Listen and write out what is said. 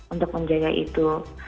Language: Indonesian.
untuk menjaga itu